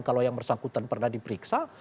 kalau yang bersangkutan pernah diperiksa